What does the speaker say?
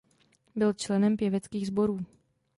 Byl členem pěveckých sborů.